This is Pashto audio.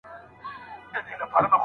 له روسیې سره سوداګري ولې بنده شوه؟